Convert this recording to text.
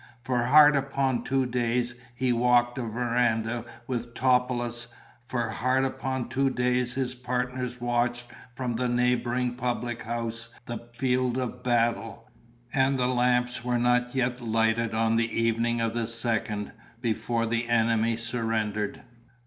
For hard upon two days he walked a verandah with Topelius, for hard upon two days his partners watched from the neighbouring public house the field of battle; and the lamps were not yet lighted on the evening of the second before the enemy surrendered.